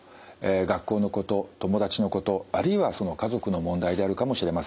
学校のこと友達のことあるいは家族の問題であるかもしれません。